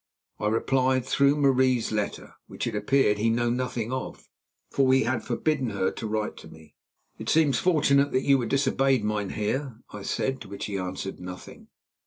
I replied, through Marie's letter, which, it appeared, he knew nothing of, for he had forbidden her to write to me. "It seems fortunate that you were disobeyed, mynheer," I said, to which he answered nothing.